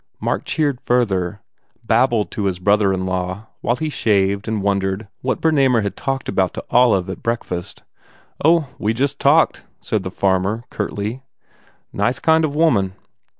Mark cheered further, babbled to his brother in law while he shaved and wondered what Brrnamer had talked about to Olive at breakfast. "Oh, we just talked," said the farmer, curtly, "Nice kind of woman."